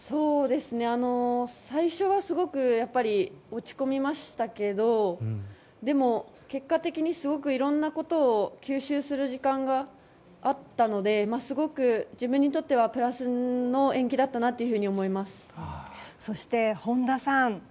最初はすごくやっぱり落ち込みましたけどでも、結果的にすごくいろんなことを吸収する時間があったので、すごく自分にとってはプラスの延期だったとそして本多さん。